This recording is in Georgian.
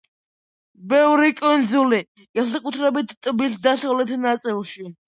ბევრია კუნძული, განსაკუთრებით ტბის დასავლეთ ნაწილში.